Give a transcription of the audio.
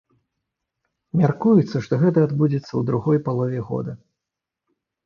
Мяркуецца, што гэта адбудзецца ў другой палове года.